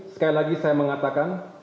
sekali lagi saya mengatakan